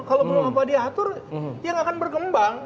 kalau belum apa diatur ya nggak akan berkembang